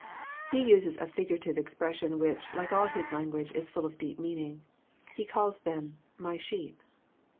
He uses a figurative expression which, like all His language, is full of deep meaning. . He calls them, " My sheep."